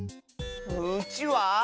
うちわ？